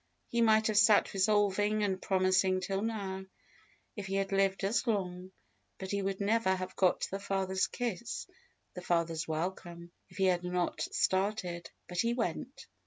He might have sat resolving and promising till now, if he had lived as long, and he would never have got the father's kiss, the father's welcome, if he had not started; but he went.